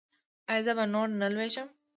ایا زه به نور نه لویږم؟